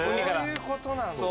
そういうことなんだ。